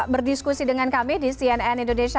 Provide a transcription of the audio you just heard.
berdiskusi dengan kami di cnn indonesia